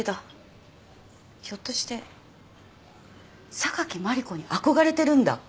ひょっとして榊マリコに憧れてるんだ？